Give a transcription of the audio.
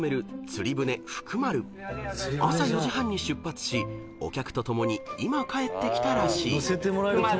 ［朝４時半に出発しお客と共に今帰ってきたらしい］